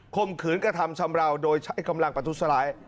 มขืนกระทำชำราวโดยใช้กำลังประทุษร้าย